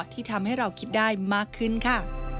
ที่ทำให้เราคิดได้มากขึ้นค่ะ